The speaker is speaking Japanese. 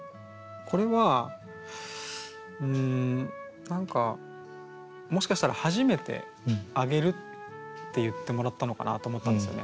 これはうん何かもしかしたら初めて「あげる」って言ってもらったのかなと思ったんですよね。